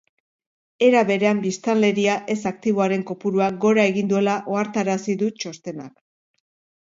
Era berean, biztanleria ez-aktiboren kopuruak gora egin duela ohartarazi du txostenak.